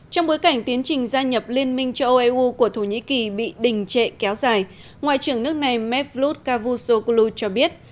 trong bối cảnh tiến trình gia nhập liên minh cho eu của thổ nhĩ kỳ bị đình trệ kéo dài ngoại trưởng nước này mevlut cavusoglu cho biết